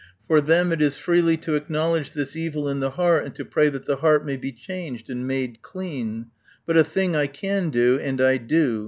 For them it is freely to acknowledge this evil in the heart and to pray that the heart may be changed and made clean. "But a thing I can do and I do....